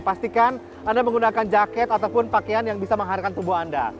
pastikan anda menggunakan jaket ataupun pakaian yang bisa mengharkan tubuh anda